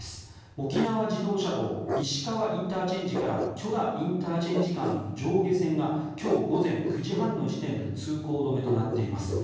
沖縄自動車道石川ＩＣから許田ＩＣ間の上下線が今日午前９時半の時点で通行止めとなっています。